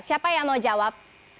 siapa yang mau jawab